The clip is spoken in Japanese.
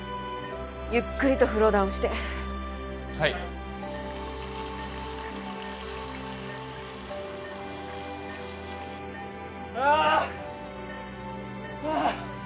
ゆっくりとフローダウンして・はいあっあっ